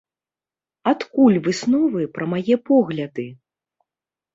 Адкуль высновы пра мае погляды?